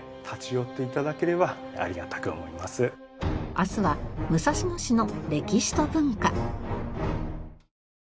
明日は武蔵野市の歴史と文化。